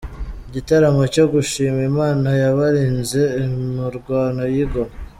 Igitaramo cyo gushima Imana yabarinze imirwano y’i Goma